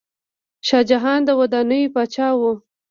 شاه جهان د ودانیو پاچا و.